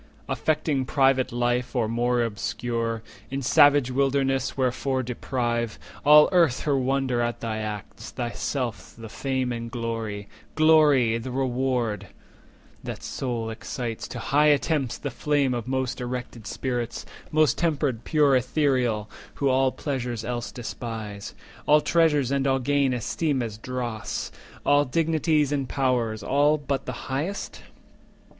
Affecting private life, or more obscure In savage wilderness, wherefore deprive All Earth her wonder at thy acts, thyself The fame and glory—glory, the reward That sole excites to high attempts the flame Of most erected spirits, most tempered pure AEthereal, who all pleasures else despise, All treasures and all gain esteem as dross, And dignities and powers, all but the highest?